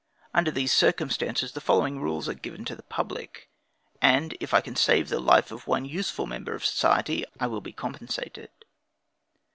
Under these circumstances, the following rules are given to the public, and if I can save the life of one useful member of society, I will be compensated.